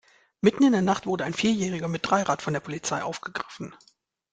Mitten in der Nacht wurde ein Vierjähriger mit Dreirad von der Polizei aufgegriffen.